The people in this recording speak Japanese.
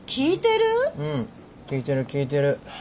うん聞いてる聞いてる。